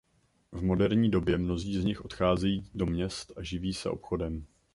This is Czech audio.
V moderní době mnozí z nich odcházejí do měst a živí se obchodem.